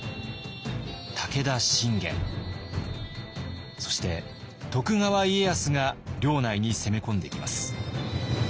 武田信玄そして徳川家康が領内に攻め込んできます。